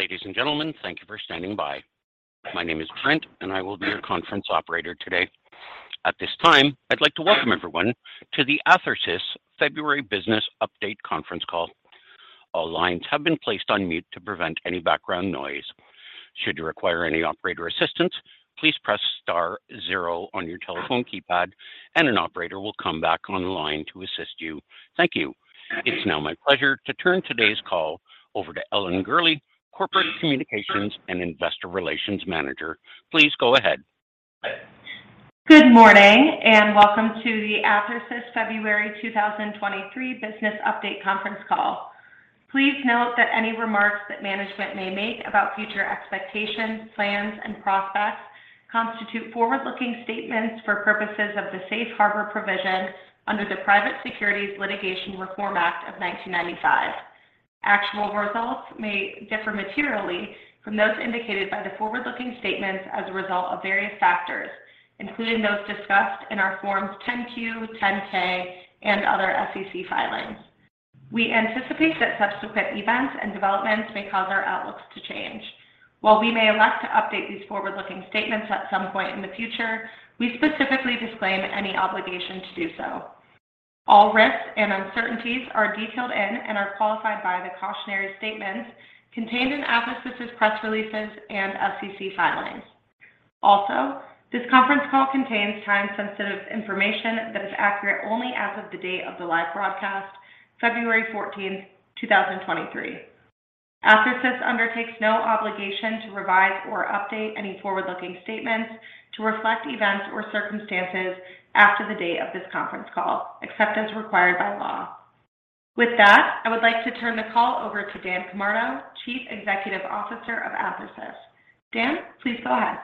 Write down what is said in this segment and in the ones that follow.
Ladies and gentlemen, thank you for standing by. My name is Brent. I will be your conference operator today. At this time, I'd like to welcome everyone to the Athersys February Business Update Conference Call. All lines have been placed on mute to prevent any background noise. Should you require any operator assistance, please press star zero on your telephone keypad. An operator will come back on the line to assist you. Thank you. It's now my pleasure to turn today's call over to Ellen Gurley, Corporate Communications and Investor Relations Manager. Please go ahead. Good morning, welcome to the Athersys February 2023 Business Update Conference Call. Please note that any remarks that management may make about future expectations, plans, and prospects constitute forward-looking statements for purposes of the Safe Harbor provision under the Private Securities Litigation Reform Act of 1995. Actual results may differ materially from those indicated by the forward-looking statements as a result of various factors, including those discussed in our forms 10-Q, 10-K, and other SEC filings. We anticipate that subsequent events and developments may cause our outlook to change. While we may elect to update these forward-looking statements at some point in the future, we specifically disclaim any obligation to do so. All risks and uncertainties are detailed in and are qualified by the cautionary statements contained in Athersys' press releases and SEC filings. This conference call contains time-sensitive information that is accurate only as of the date of the live broadcast, February 14, 2023. Athersys undertakes no obligation to revise or update any forward-looking statements to reflect events or circumstances after the date of this conference call, except as required by law. With that, I would like to turn the call over to Dan Camardo, Chief Executive Officer of Athersys. Dan, please go ahead.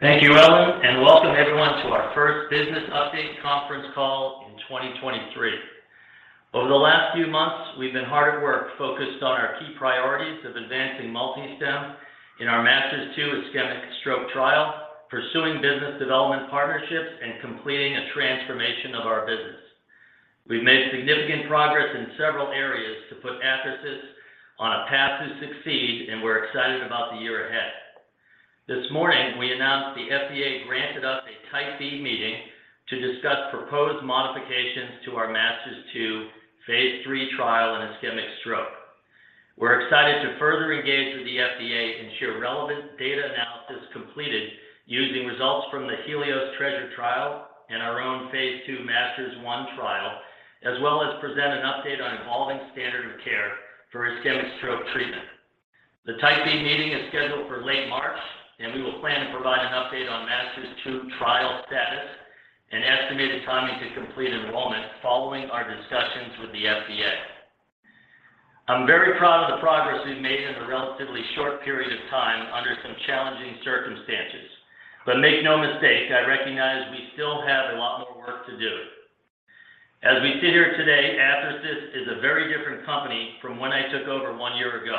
Thank you, Ellen, welcome everyone to our first business update conference call in 2023. Over the last few months, we've been hard at work focused on our key priorities of advancing MultiStem in our MASTERS-2 ischemic stroke trial, pursuing business development partnerships, and completing a transformation of our business. We've made significant progress in several areas to put Athersys on a path to succeed, we're excited about the year ahead. This morning, we announced the FDA granted us a Type B meeting to discuss proposed modifications to our MASTERS-2 Phase 3 trial in ischemic stroke. We're excited to further engage with the FDA and share relevant data analysis completed using results from the Healios TREASURE trial and our own Phase 2 MASTERS-1 trial, as well as present an update on evolving standard of care for ischemic stroke treatment. The Type B meeting is scheduled for late March, and we will plan to provide an update on MASTERS-2 trial status and estimated timing to complete enrollment following our discussions with the FDA. I'm very proud of the progress we've made in a relatively short period of time under some challenging circumstances. Make no mistake, I recognize we still have a lot more work to do. As we sit here today, Athersys is a very different company from when I took over one year ago.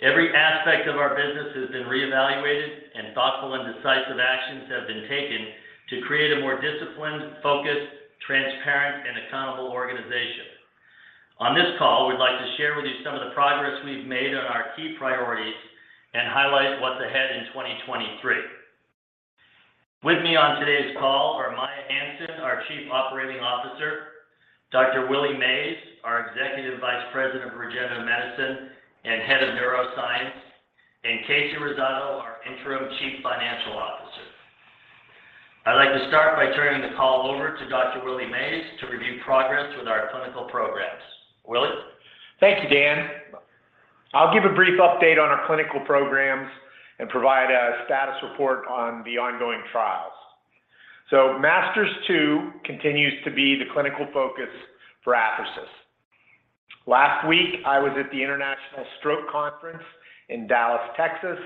Every aspect of our business has been reevaluated and thoughtful and decisive actions have been taken to create a more disciplined, focused, transparent, and accountable organization. On this call, we'd like to share with you some of the progress we've made on our key priorities and highlight what's ahead in 2023. With me on today's call are Maia Hansen, our Chief Operating Officer, Dr. Willie Mays, our Executive Vice President of Regenerative Medicine and Head of Neuroscience, and Kasey Rosado, our Interim Chief Financial Officer. I'd like to start by turning the call over to Dr. Willie Mays to review progress with our clinical programs. Willie? Thank you, Dan. I'll give a brief update on our clinical programs and provide a status report on the ongoing trials. MASTERS-2 continues to be the clinical focus for Athersys. Last week, I was at the International Stroke Conference in Dallas, Texas,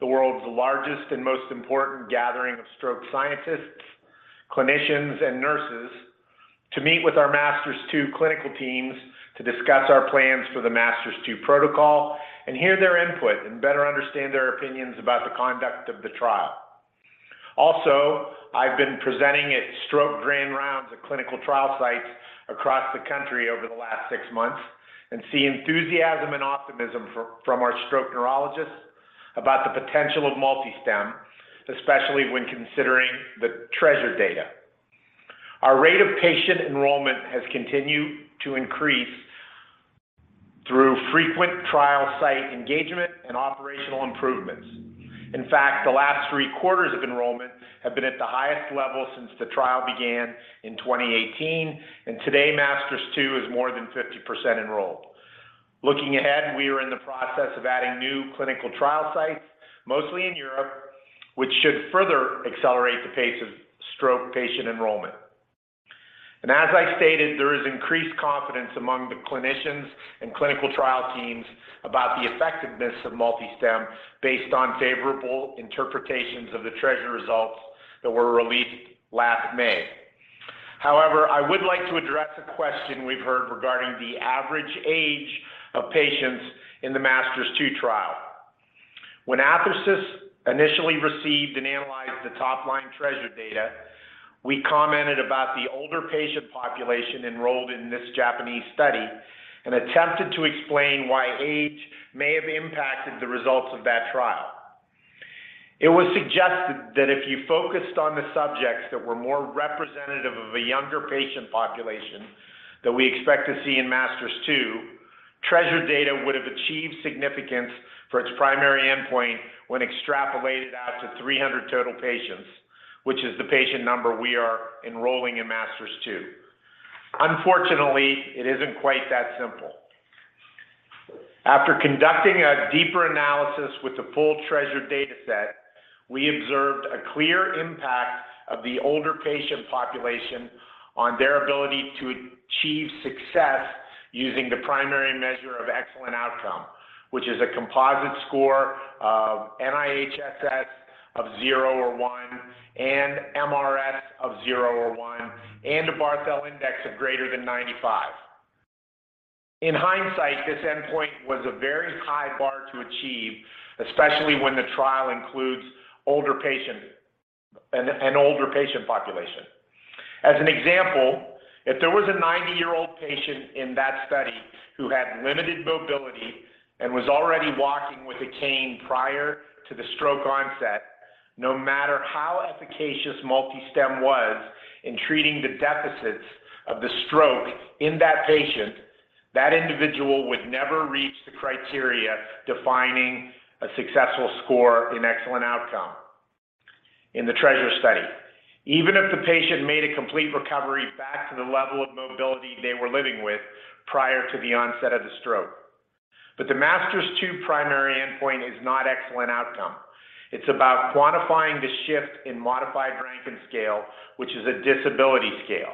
the world's largest and most important gathering of stroke scientists, clinicians, and nurses, to meet with our MASTERS-2 clinical teams to discuss our plans for the MASTERS-2 protocol and hear their input and better understand their opinions about the conduct of the trial. I've been presenting at stroke grand rounds at clinical trial sites across the country over the last six months and see enthusiasm and optimism from our stroke neurologists about the potential of MultiStem, especially when considering the TREASURE data. Our rate of patient enrollment has continued to increase through frequent trial site engagement and operational improvements. In fact, the last three quarters of enrollment have been at the highest level since the trial began in 2018. Today, MASTERS-2 is more than 50% enrolled. Looking ahead, we are in the process of adding new clinical trial sites, mostly in Europe, which should further accelerate the pace of stroke patient enrollment. As I stated, there is increased confidence among the clinicians and clinical trial teams about the effectiveness of MultiStem based on favorable interpretations of the TREASURE results that were released last May. However, I would like to address a question we've heard regarding the average age of patients in the MASTERS-2 trial. When Athersys initially received and analyzed the top-line TREASURE data, we commented about the older patient population enrolled in this Japanese study and attempted to explain why age may have impacted the results of that trial. It was suggested that if you focused on the subjects that were more representative of a younger patient population that we expect to see in MASTERS-2, TREASURE data would have achieved significance for its primary endpoint when extrapolated out to 300 total patients, which is the patient number we are enrolling in MASTERS-2. Unfortunately, it isn't quite that simple. After conducting a deeper analysis with the full TREASURE data set, we observed a clear impact of the older patient population on their ability to achieve success using the primary measure of Excellent Outcome, which is a composite score of NIHSS of 0 or 1 and mRS of 0 or 1 and a Barthel Index of greater than 95. In hindsight, this endpoint was a very high bar to achieve, especially when the trial includes older patients, an older patient population. As an example, if there was a 90-year-old patient in that study who had limited mobility and was already walking with a cane prior to the stroke onset, no matter how efficacious MultiStem was in treating the deficits of the stroke in that patient, that individual would never reach the criteria defining a successful score in Excellent Outcome in the TREASURE study, even if the patient made a complete recovery back to the level of mobility they were living with prior to the onset of the stroke. The MASTERS-2 primary endpoint is not Excellent Outcome. It's about quantifying the shift in modified Rankin Scale, which is a disability scale.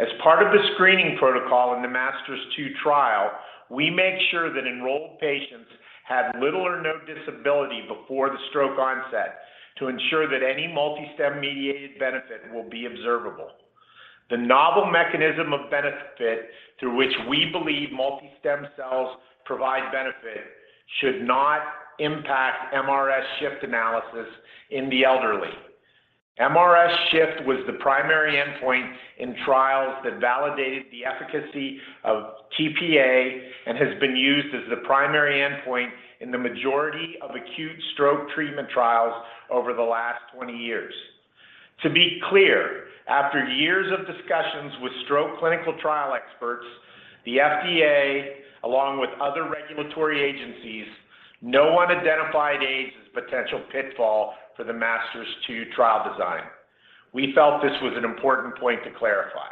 As part of the screening protocol in the MASTERS-2 trial, we make sure that enrolled patients have little or no disability before the stroke onset to ensure that any MultiStem-mediated benefit will be observable. The novel mechanism of benefit through which we believe MultiStem cells provide benefit should not impact mRS shift analysis in the elderly. mRS shift was the primary endpoint in trials that validated the efficacy of tPA and has been used as the primary endpoint in the majority of acute stroke treatment trials over the last 20 years. To be clear, after years of discussions with stroke clinical trial experts, the FDA, along with other regulatory agencies, no one identified ARDS as potential pitfall for the MASTERS-2 trial design. We felt this was an important point to clarify.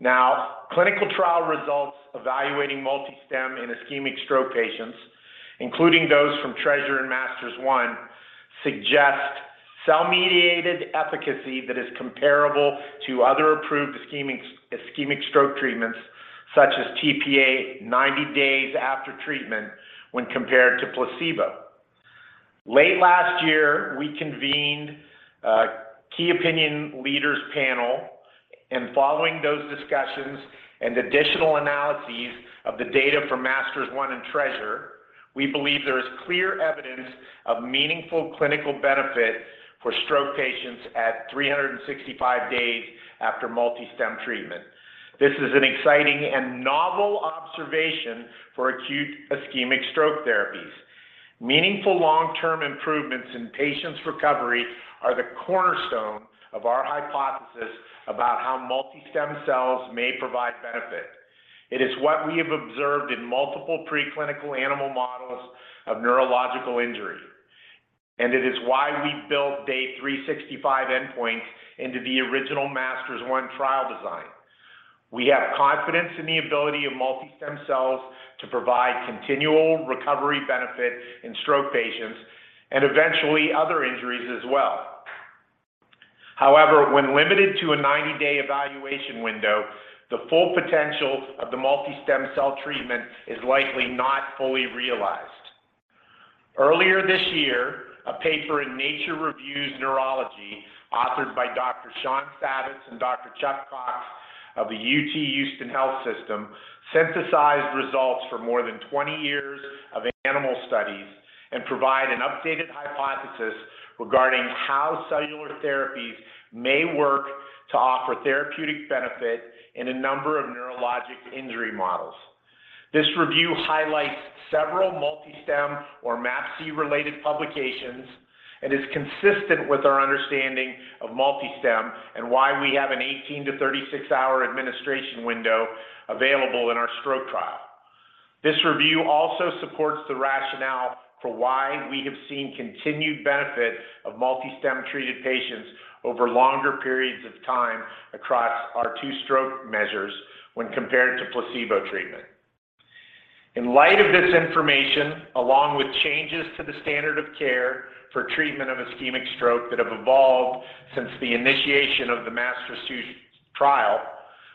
Now, clinical trial results evaluating MultiStem in ischemic stroke patients, including those from TREASURE and MASTERS-1, suggest cell-mediated efficacy that is comparable to other approved ischemic stroke treatments, such as tPA 90 days after treatment when compared to placebo. Late last year, we convened a key opinion leaders panel, and following those discussions and additional analyses of the data from MASTERS-1 and TREASURE, we believe there is clear evidence of meaningful clinical benefit for stroke patients at 365 days after MultiStem treatment. This is an exciting and novel observation for acute ischemic stroke therapies. Meaningful long-term improvements in patients' recovery are the cornerstone of our hypothesis about how MultiStem cells may provide benefit. It is what we have observed in multiple preclinical animal models of neurological injury, and it is why we built day 365 endpoints into the original MASTERS-1 trial design. We have confidence in the ability of MultiStem cells to provide continual recovery benefit in stroke patients and eventually other injuries as well. However, when limited to a 90-day evaluation window, the full potential of the MultiStem cell treatment is likely not fully realized. Earlier this year, a paper in Nature Reviews Neurology authored by Dr. Sean Savitz and Dr. Chuck Cox of UTHealth Houston synthesized results for more than 20 years of animal studies and provide an updated hypothesis regarding how cellular therapies may work to offer therapeutic benefit in a number of neurologic injury models. This review highlights several MultiStem or MAPC-related publications and is consistent with our understanding of MultiStem and why we have an 18-36-hour administration window available in our stroke trial. This review also supports the rationale for why we have seen continued benefit of MultiStem-treated patients over longer periods of time across our two stroke measures when compared to placebo treatment. In light of this information, along with changes to the standard of care for treatment of ischemic stroke that have evolved since the initiation of the MASTERS-2 trial,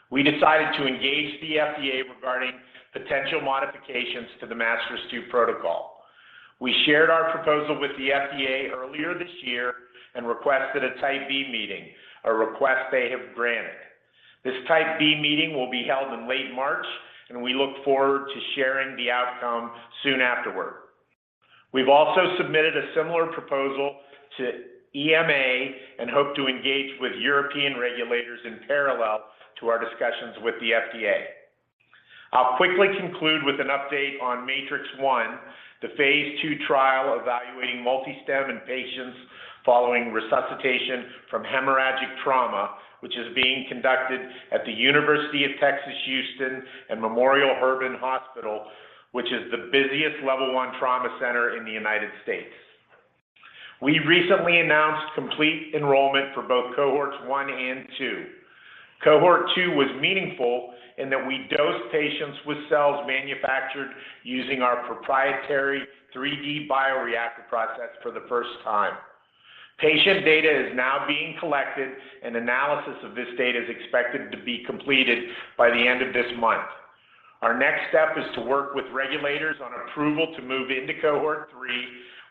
we decided to engage the FDA regarding potential modifications to the MASTERS-2 protocol. We shared our proposal with the FDA earlier this year and requested a Type B meeting, a request they have granted. This Type B meeting will be held in late March, and we look forward to sharing the outcome soon afterward. We've also submitted a similar proposal to EMA and hope to engage with European regulators in parallel to our discussions with the FDA. I'll quickly conclude with an update on MATRICS-1, the phase 2 trial evaluating MultiStem in patients following resuscitation from hemorrhagic trauma, which is being conducted at the University of Texas Houston and Memorial Hermann Hospital, which is the busiest level 1 trauma center in the United States. We recently announced complete enrollment for both cohorts 1 and 2. Cohort 2 was meaningful in that we dosed patients with cells manufactured using our proprietary 3D bioreactor process for the first time. Patient data is now being collected, and analysis of this data is expected to be completed by the end of this month. Our next step is to work with regulators on approval to move into cohort 3,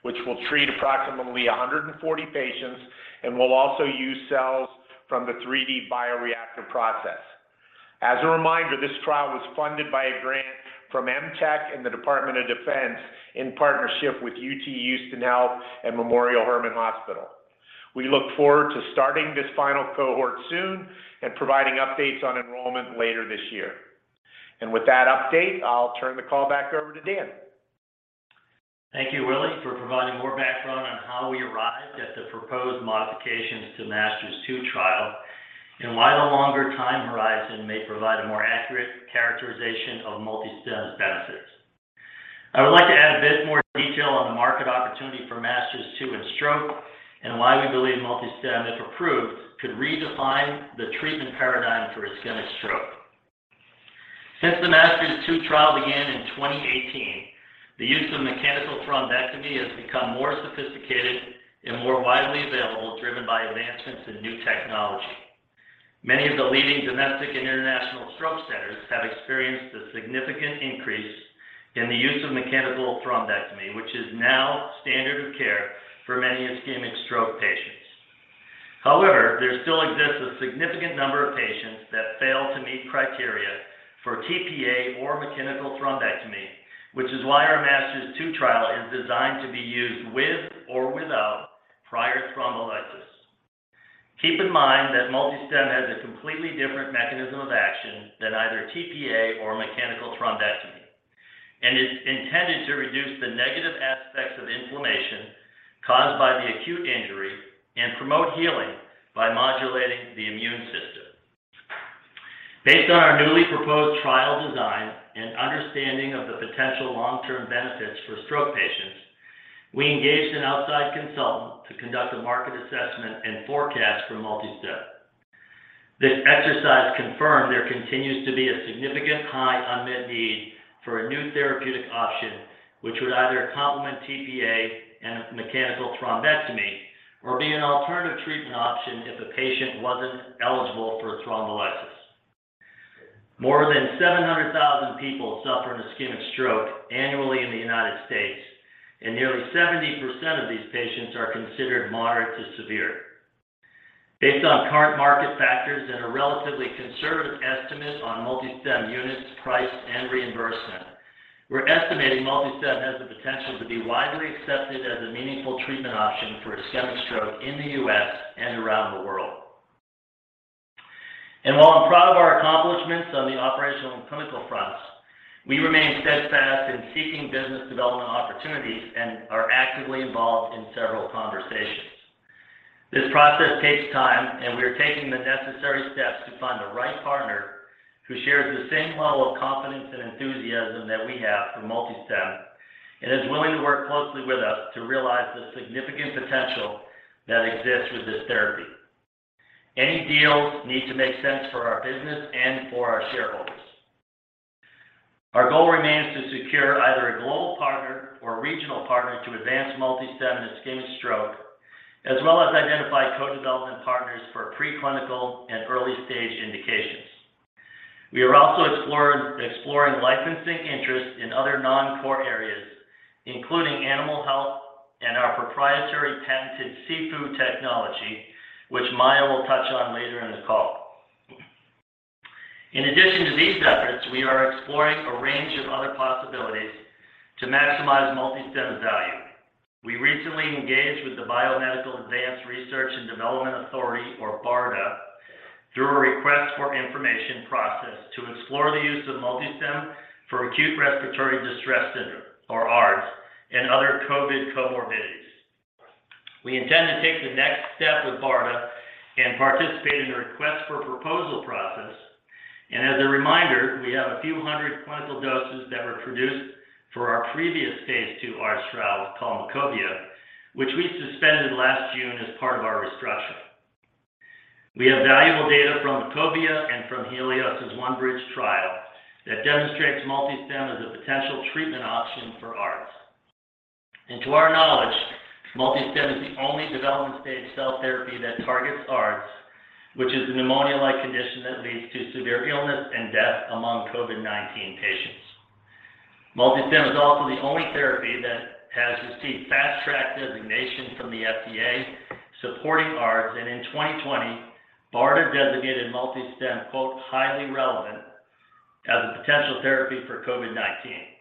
which will treat approximately 140 patients and will also use cells from the 3D bioreactor process. As a reminder, this trial was funded by a grant from MTEC and the Department of Defense in partnership with UTHealth Houston and Memorial Hermann Hospital. We look forward to starting this final cohort soon and providing updates on enrollment later this year. With that update, I'll turn the call back over to Dan. Thank you, Willie, for providing more background on how we arrived at the proposed modifications to MASTERS-2 trial and why the longer time horizon may provide a more accurate characterization of MultiStem's benefits. I would like to add a bit more detail on the market opportunity for MASTERS-2 and stroke, why we believe MultiStem, if approved, could redefine the treatment paradigm for ischemic stroke. Since the MASTERS-2 trial began in 2018, the use of mechanical thrombectomy has become more sophisticated and more widely available, driven by advancements in new technology. Many of the leading domestic and international stroke centers have experienced a significant increase in the use of mechanical thrombectomy, which is now standard of care for many ischemic stroke patients. There still exists a significant number of patients that fail to meet criteria for tPA or mechanical thrombectomy, which is why our MASTERS-2 trial is designed to be used with or without prior thrombolysis. Keep in mind that MultiStem has a completely different mechanism of action than either tPA or mechanical thrombectomy, and is intended to reduce the negative aspects of inflammation caused by the acute injury and promote healing by modulating the immune system. Based on our newly proposed trial design and understanding of the potential long-term benefits for stroke patients, we engaged an outside consultant to conduct a market assessment and forecast for MultiStem. This exercise confirmed there continues to be a significant high unmet need for a new therapeutic option, which would either complement tPA and mechanical thrombectomy or be an alternative treatment option if a patient wasn't eligible for thrombolysis. More than 700,000 people suffer an ischemic stroke annually in the United States, and nearly 70% of these patients are considered moderate to severe. Based on current market factors and a relatively conservative estimate on MultiStem units priced and reimbursement, we're estimating MultiStem has the potential to be widely accepted as a meaningful treatment option for ischemic stroke in the US and around the world. While I'm proud of our accomplishments on the operational and clinical fronts, we remain steadfast in seeking business development opportunities and are actively involved in several conversations. This process takes time, and we are taking the necessary steps to find the right partner who shares the same level of confidence and enthusiasm that we have for MultiStem and is willing to work closely with us to realize the significant potential that exists with this therapy. Any deals need to make sense for our business and for our shareholders. Our goal remains to secure either a global partner or a regional partner to advance MultiStem and ischemic stroke, as well as identify co-development partners for pre-clinical and early-stage indications. We are also exploring licensing interest in other non-core areas, including animal health and our proprietary patented SIFU technology, which Maia will touch on later in the call. In addition to these efforts, we are exploring a range of other possibilities to maximize MultiStem's value. We recently engaged with the Biomedical Advanced Research and Development Authority, or BARDA, through a request for information process to explore the use of MultiStem for acute respiratory distress syndrome, or ARDS, and other COVID comorbidities. We intend to take the next step with BARDA and participate in a request for proposal process. As a reminder, we have a few hundred clinical doses that were produced for our previous phase two ARDS trial called MACOVIA, which we suspended last June as part of our restructuring. We have valuable data from MACOVIA and from Healios' ONE-BRIDGE trial that demonstrates MultiStem as a potential treatment option for ARDS. To our knowledge, MultiStem is the only development-stage cell therapy that targets ARDS, which is a pneumonia-like condition that leads to severe illness and death among COVID-19 patients. MultiStem is also the only therapy that has received Fast Track designation from the FDA supporting ARDS, and in 2020, BARDA designated MultiStem, quote, highly relevant as a potential therapy for COVID-19.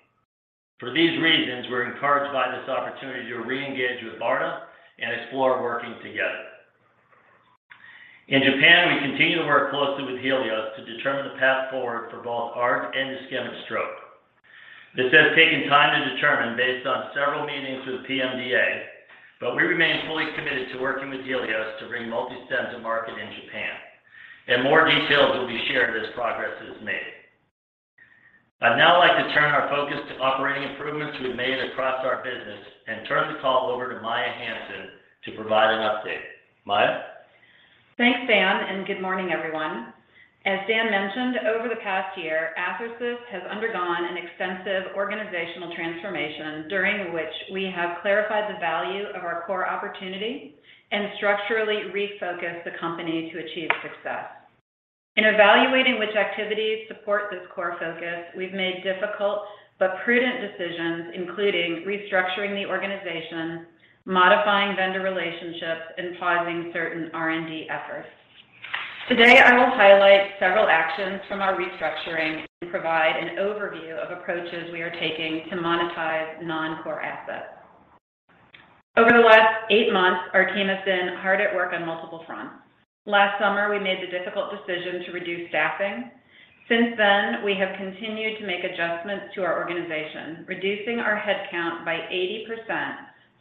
For these reasons, we're encouraged by this opportunity to re-engage with BARDA and explore working together. In Japan, we continue to work closely with Healios to determine the path forward for both ARDS and ischemic stroke. This has taken time to determine based on several meetings with PMDA. We remain fully committed to working with Healios to bring MultiStem to market in Japan. More details will be shared as progress is made. I'd now like to turn our focus to operating improvements we've made across our business and turn the call over to Maia Hansen to provide an update. Maia? Thanks, Dan. Good morning, everyone. As Dan mentioned, over the past year, Athersys has undergone an extensive organizational transformation during which we have clarified the value of our core opportunity and structurally refocused the company to achieve success. In evaluating which activities support this core focus, we've made difficult but prudent decisions, including restructuring the organization, modifying vendor relationships, and pausing certain R&D efforts. Today, I will highlight several actions from our restructuring and provide an overview of approaches we are taking to monetize non-core assets. Over the last eight months, our team has been hard at work on multiple fronts. Last summer, we made the difficult decision to reduce staffing. Since then, we have continued to make adjustments to our organization, reducing our headcount by 80%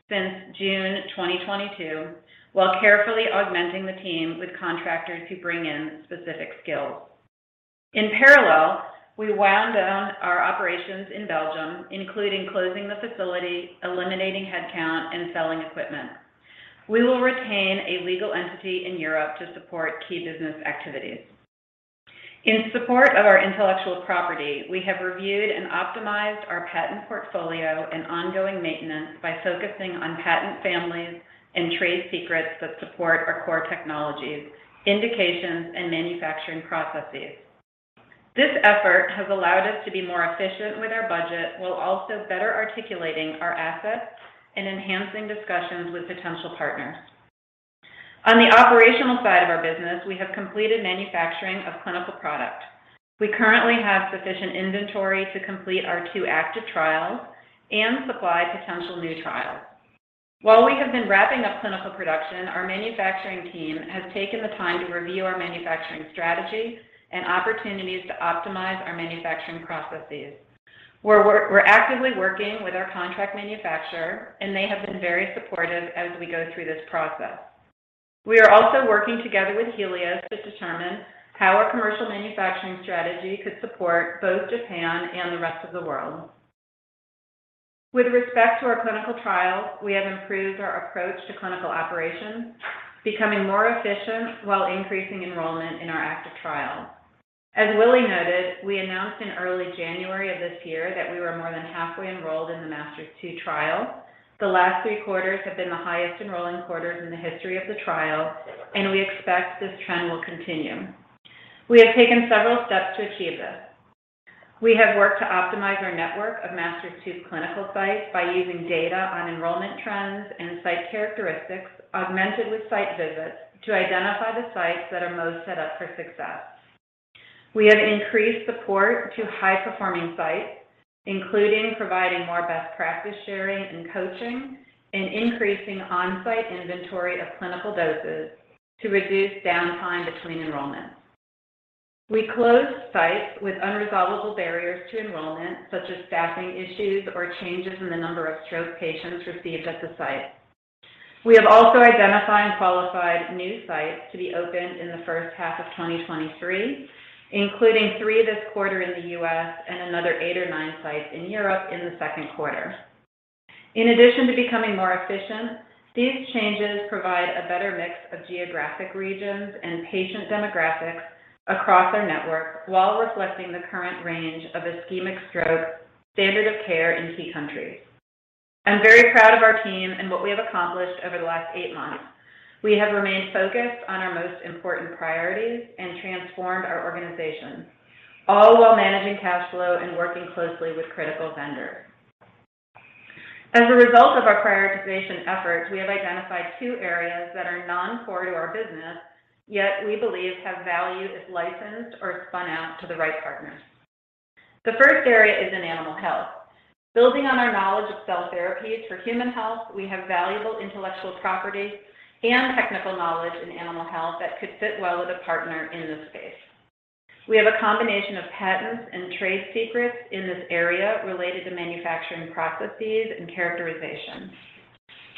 since June 2022, while carefully augmenting the team with contractors who bring in specific skills. In parallel, we wound down our operations in Belgium, including closing the facility, eliminating headcount, and selling equipment. We will retain a legal entity in Europe to support key business activities. In support of our intellectual property, we have reviewed and optimized our patent portfolio and ongoing maintenance by focusing on patent families and trade secrets that support our core technologies, indications, and manufacturing processes. This effort has allowed us to be more efficient with our budget while also better articulating our assets and enhancing discussions with potential partners. On the operational side of our business, we have completed manufacturing of clinical product. We currently have sufficient inventory to complete our two active trials and supply potential new trials. While we have been wrapping up clinical production, our manufacturing team has taken the time to review our manufacturing strategy and opportunities to optimize our manufacturing processes. We're actively working with our contract manufacturer, and they have been very supportive as we go through this process. We are also working together with Healios to determine how our commercial manufacturing strategy could support both Japan and the rest of the world. With respect to our clinical trials, we have improved our approach to clinical operations, becoming more efficient while increasing enrollment in our active trials. As Willie noted, we announced in early January of this year that we were more than halfway enrolled in the MASTERS-2 trial. The last three quarters have been the highest enrolling quarters in the history of the trial, and we expect this trend will continue. We have taken several steps to achieve this. We have worked to optimize our network of MASTERS-2 clinical sites by using data on enrollment trends and site characteristics augmented with site visits to identify the sites that are most set up for success. We have increased support to high-performing sites, including providing more best practice sharing and coaching and increasing on-site inventory of clinical doses to reduce downtime between enrollments. We closed sites with unresolvable barriers to enrollment, such as staffing issues or changes in the number of stroke patients received at the site. We have also identified and qualified new sites to be opened in the first half of 2023, including three this quarter in the U.S. and another eight or nine sites in Europe in the second quarter. In addition to becoming more efficient, these changes provide a better mix of geographic regions and patient demographics across our network while reflecting the current range of ischemic stroke standard of care in key countries. I'm very proud of our team and what we have accomplished over the last eight months. We have remained focused on our most important priorities and transformed our organization, all while managing cash flow and working closely with critical vendors. As a result of our prioritization efforts, we have identified two areas that are non-core to our business, yet we believe have value if licensed or spun out to the right partners. The first area is in animal health. Building on our knowledge of cell therapies for human health, we have valuable intellectual property and technical knowledge in animal health that could fit well with a partner in this space. We have a combination of patents and trade secrets in this area related to manufacturing processes and characterization.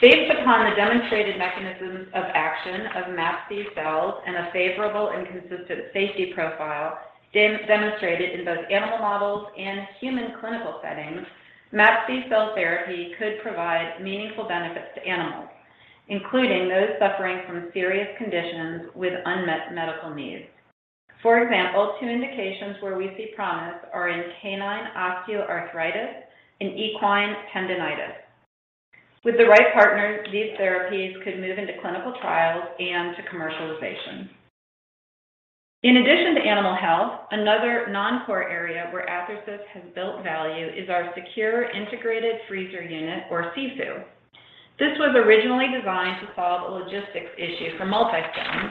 Based upon the demonstrated mechanisms of action of MAPC cells and a favorable and consistent safety profile demonstrated in both animal models and human clinical settings, MAPC cell therapy could provide meaningful benefits to animals, including those suffering from serious conditions with unmet medical needs. For example, two indications where we see promise are in canine osteoarthritis and equine tendonitis. With the right partners, these therapies could move into clinical trials and to commercialization. In addition to animal health, another non-core area where Athersys has built value is our Secure Integrated Freezer Unit or SIFU. This was originally designed to solve a logistics issue for MultiStem,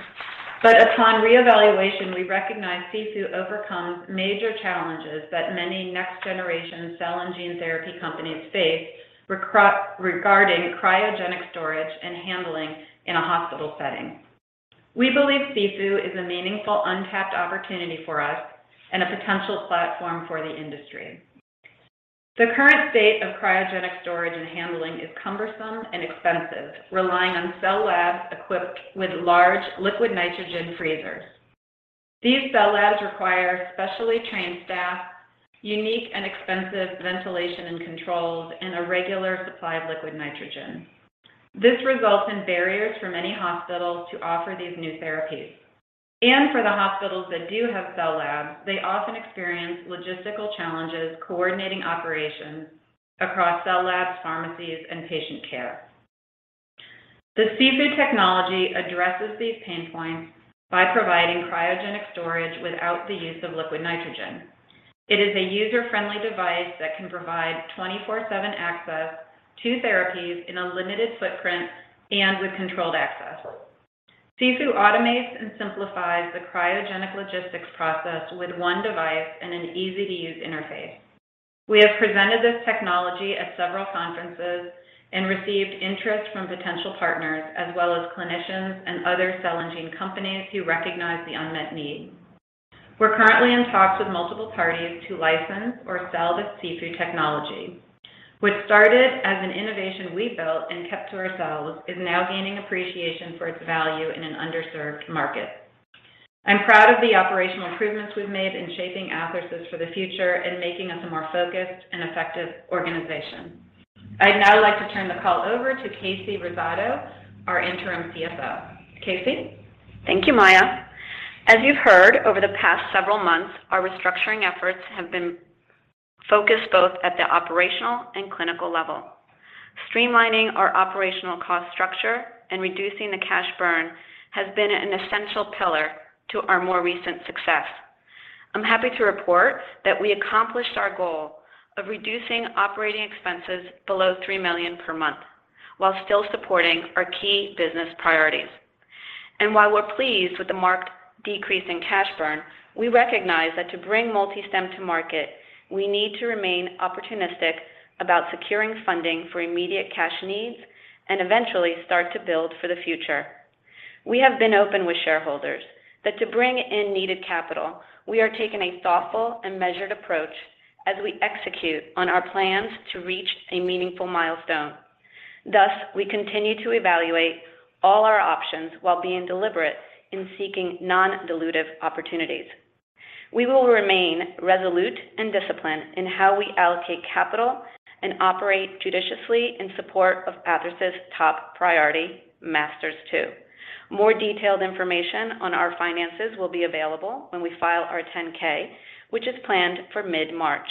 but upon reevaluation, we recognized SIFU overcomes major challenges that many next-generation cell and gene therapy companies face regarding cryogenic storage and handling in a hospital setting. We believe SIFU is a meaningful, untapped opportunity for us and a potential platform for the industry. The current state of cryogenic storage and handling is cumbersome and expensive, relying on cell labs equipped with large liquid nitrogen freezers. These cell labs require specially trained staff, unique and expensive ventilation and controls, and a regular supply of liquid nitrogen. This results in barriers for many hospitals to offer these new therapies. For the hospitals that do have cell labs, they often experience logistical challenges coordinating operations across cell labs, pharmacies, and patient care. The SIFU technology addresses these pain points by providing cryogenic storage without the use of liquid nitrogen. It is a user-friendly device that can provide 24/7 access to therapies in a limited footprint and with controlled access. SIFU automates and simplifies the cryogenic logistics process with one device and an easy-to-use interface. We have presented this technology at several conferences and received interest from potential partners, as well as clinicians and other cell and gene companies who recognize the unmet need. We're currently in talks with multiple parties to license or sell the SIFU technology. What started as an innovation we built and kept to ourselves is now gaining appreciation for its value in an underserved market. I'm proud of the operational improvements we've made in shaping Athersys for the future and making us a more focused and effective organization. I'd now like to turn the call over to Kasey Rosado, our interim CFO. Kasey? Thank you, Maia. As you've heard over the past several months, our restructuring efforts have been focused both at the operational and clinical level. Streamlining our operational cost structure and reducing the cash burn has been an essential pillar to our more recent success. I'm happy to report that we accomplished our goal of reducing operating expenses below $3 million per month while still supporting our key business priorities. While we're pleased with the marked decrease in cash burn, we recognize that to bring MultiStem to market, we need to remain opportunistic about securing funding for immediate cash needs and eventually start to build for the future. We have been open with shareholders that to bring in needed capital, we are taking a thoughtful and measured approach as we execute on our plans to reach a meaningful milestone. We continue to evaluate all our options while being deliberate in seeking non-dilutive opportunities. We will remain resolute and disciplined in how we allocate capital and operate judiciously in support of Athersys' top priority, MASTERS-2. More detailed information on our finances will be available when we file our 10-K, which is planned for mid-March.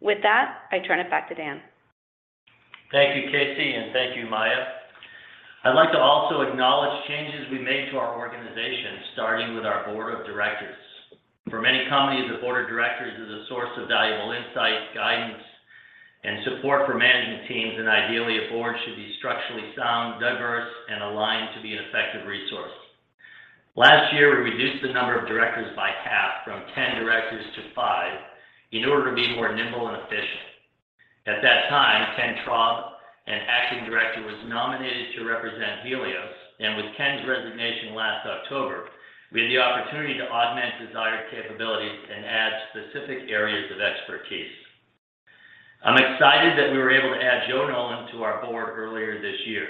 With that, I turn it back to Dan. Thank you, Kasey, and thank you, Maia. I'd like to also acknowledge changes we made to our organization, starting with our board of directors. For many companies, a board of directors is a source of valuable insight, guidance, and support for management teams, and ideally, a board should be structurally sound, diverse, and aligned to be an effective resource. Last year, we reduced the number of directors by half from 10 directors to 5 in order to be more nimble and efficient. At that time, Ken Traub, an acting director, was nominated to represent Healios, and with Ken's resignation last October, we had the opportunity to augment desired capabilities and add specific areas of expertise. I'm excited that we were able to add Joe Nolan to our board earlier this year.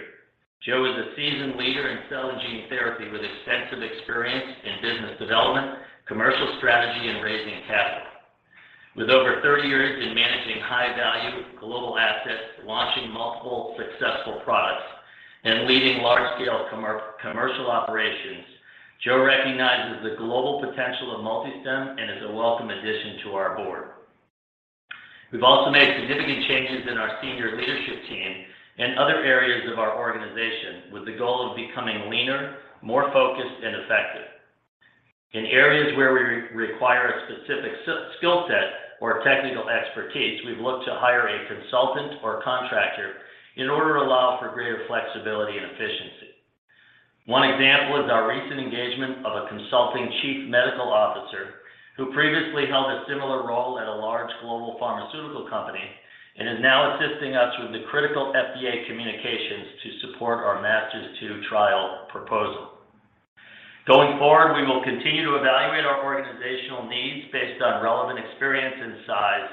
Joe is a seasoned leader in cell and gene therapy with extensive experience in business development, commercial strategy, and raising capital. With over 30 years in managing high-value global assets, launching multiple successful products, and leading large-scale commercial operations, Joe recognizes the global potential of MultiStem and is a welcome addition to our board. We've also made significant changes in our senior leadership team and other areas of our organization with the goal of becoming leaner, more focused, and effective. In areas where we require a specific skill set or technical expertise, we've looked to hire a consultant or contractor in order to allow for greater flexibility and efficiency. One example is our recent engagement of a consulting chief medical officer who previously held a similar role at a large global pharmaceutical company and is now assisting us with the critical FDA communications to support our MASTERS-2 trial proposal. Going forward, we will continue to evaluate our organizational needs based on relevant experience and size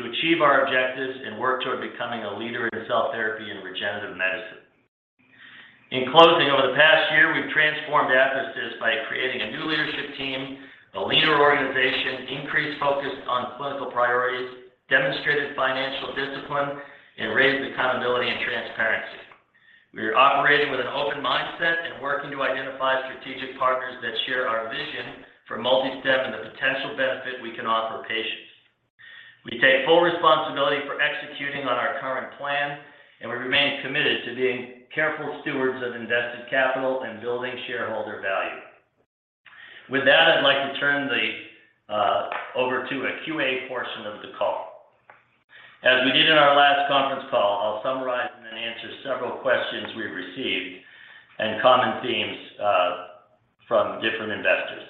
to achieve our objectives and work toward becoming a leader in cell therapy and regenerative medicine. In closing, over the past year, we've transformed Athersys by creating a new leadership team, a leaner organization, increased focus on clinical priorities, demonstrated financial discipline, and raised accountability and transparency. We are operating with an open mindset and working to identify strategic partners that share our vision for MultiStem and the potential benefit we can offer patients. We take full responsibility for executing on our current plan, and we remain committed to being careful stewards of invested capital and building shareholder value. With that, I'd like to turn the over to a QA portion of the call. As we did in our last conference call, I'll summarize and then answer several questions we received and common themes from different investors.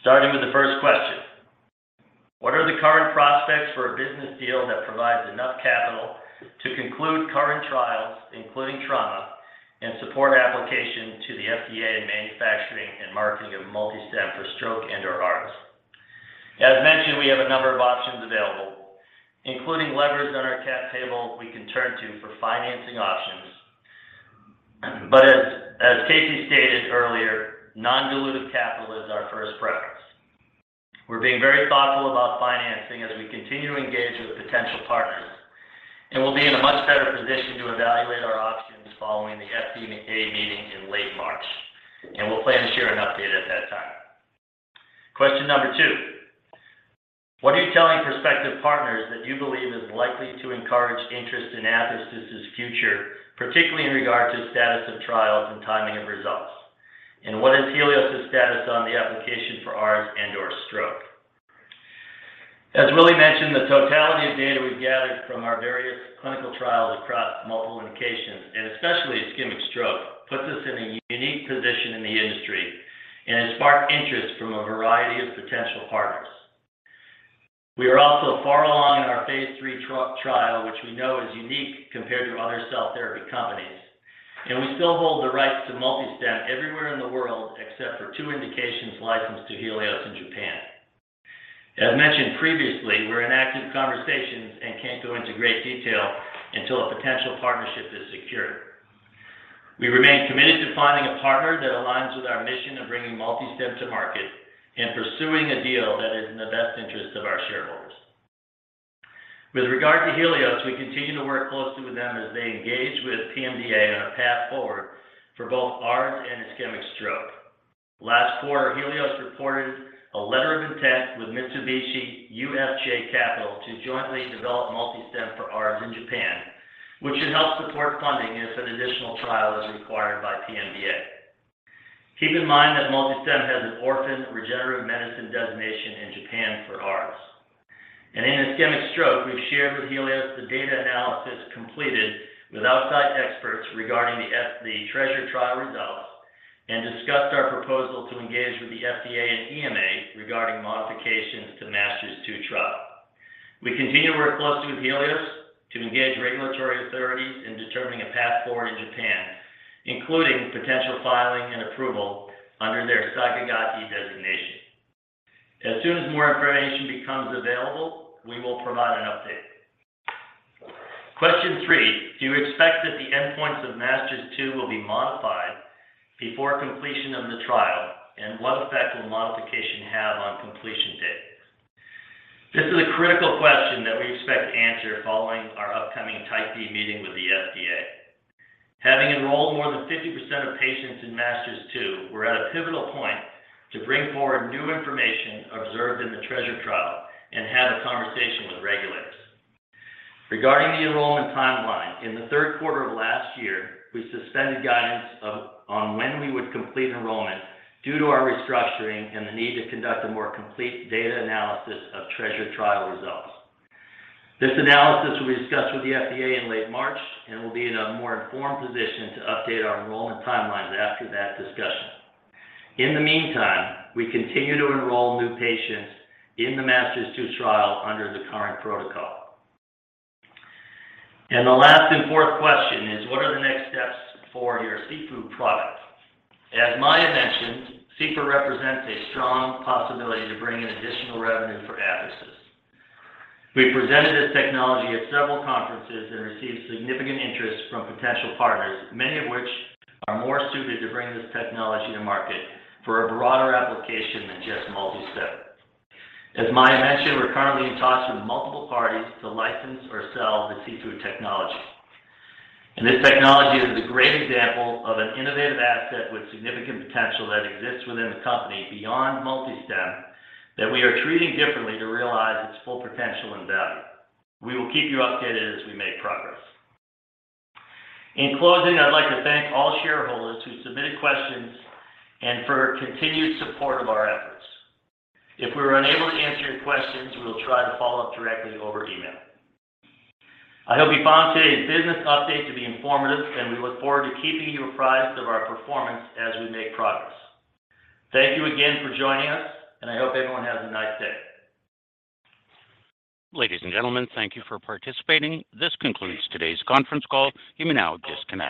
Starting with the first question, "What are the current prospects for a business deal that provides enough capital to conclude current trials, including trauma, and support application to the FDA in manufacturing and marketing of MultiStem for stroke and/or ARDS?" As mentioned, we have a number of options available, including levers on our cap table we can turn to for financing options. As Kasey stated earlier, non-dilutive capital is our first preference. We're being very thoughtful about financing as we continue to engage with potential partners, and we'll be in a much better position to evaluate our options following the FDA meeting in late March, and we'll plan to share an update at that time. Question number 2, "What are you telling prospective partners that you believe is likely to encourage interest in Athersys' future, particularly in regard to status of trials and timing of results? What is Healios' status on the application for ARDS and/or stroke?" As Willie mentioned, the totality of data we've gathered from our various clinical trials across multiple indications, and especially ischemic stroke, puts us in a unique position in the industry and has sparked interest from a variety of potential partners. We are also far along in our phase three trial, which we know is unique compared to other cell therapy companies, and we still hold the rights to MultiStem everywhere in the world except for two indications licensed to Healios in Japan. As mentioned previously, we're in active conversations and can't go into great detail until a potential partnership is secured. We remain committed to finding a partner that aligns with our mission of bringing MultiStem to market and pursuing a deal that is in the best interest of our shareholders. With regard to Healios, we continue to work closely with them as they engage with PMDA on a path forward for both ARDS and ischemic stroke. Last quarter, Healios reported a letter of intent with Mitsubishi UFJ Capital to jointly develop MultiStem for ARDS in Japan, which should help support funding if an additional trial is required by PMDA. Keep in mind that MultiStem has an orphan regenerative medicine designation in Japan for ARDS. In ischemic stroke, we've shared with Healios the data analysis completed with outside experts regarding the TREASURE trial results and discussed our proposal to engage with the FDA and EMA regarding modifications to MASTERS-2 trial. We continue to work closely with Healios to engage regulatory authorities in determining a path forward in Japan, including potential filing and approval under their SAKIGAKE designation. Soon as more information becomes available, we will provide an update. Question three, "Do you expect that the endpoints of MASTERS-2 will be modified before completion of the trial, and what effect will modification have on completion date?" This is a critical question that we expect to answer following our upcoming Type B meeting with the FDA. Having enrolled more than 50% of patients in MASTERS-2, we're at a pivotal point to bring forward new information observed in the TREASURE trial and have a conversation with regulators. Regarding the enrollment timeline, in the third quarter of last year, we suspended guidance of, on when we would complete enrollment due to our restructuring and the need to conduct a more complete data analysis of TREASURE trial results. This analysis will be discussed with the FDA in late March, we'll be in a more informed position to update our enrollment timelines after that discussion. In the meantime, we continue to enroll new patients in the MASTERS-2 trial under the current protocol. The last and fourth question is, "What are the next steps for your SIFU product?" As Maia mentioned, SIFU represents a strong possibility to bring in additional revenue for Athersys. We presented this technology at several conferences and received significant interest from potential partners, many of which are more suited to bring this technology to market for a broader application than just MultiStem. As Maia mentioned, we're currently in talks with multiple parties to license or sell the SIFU technology. This technology is a great example of an innovative asset with significant potential that exists within the company beyond MultiStem that we are treating differently to realize its full potential and value. We will keep you updated as we make progress. In closing, I'd like to thank all shareholders who submitted questions and for continued support of our efforts. If we were unable to answer your questions, we will try to follow up directly over email. I hope you found today's business update to be informative, and we look forward to keeping you apprised of our performance as we make progress. Thank you again for joining us, and I hope everyone has a nice day. Ladies and gentlemen, thank you for participating. This concludes today's conference call. You may now disconnect.